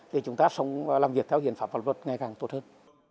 để chúng ta sống và làm việc theo hiến pháp luật ngay càng tốt hơn